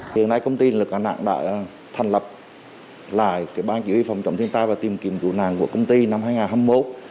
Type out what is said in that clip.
hiện nay công ty lực hành nạn đã thành lập lại bán giữ phòng chống thiên tai và tìm kiểm chủ nạn của công ty năm hai nghìn hai mươi một